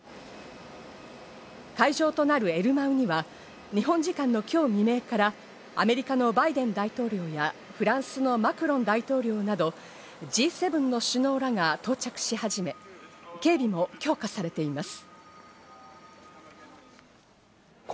会場となるエルマウには、日本時間の今日未明からアメリカのバイデン大統領やフランスのマクロン大統領など、Ｇ７の首脳らが到着し始め、警備も強化されています。